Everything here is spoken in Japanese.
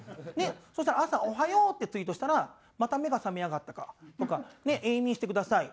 そしたら朝「おはよう」ってツイートしたら「また目が覚めやがったか」とか「永眠してください」